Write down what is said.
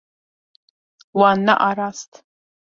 Wan nearast.